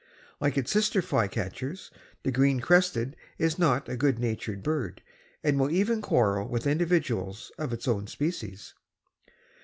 Like its sister flycatchers the Green crested is not a good natured bird and will even quarrel with individuals of its own species.